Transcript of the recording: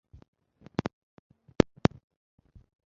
另外亦曾三次提名奥斯卡最佳女配角奖和十八次艾美奖。